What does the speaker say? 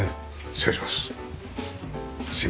失礼します。